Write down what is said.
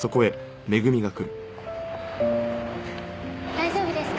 大丈夫ですか？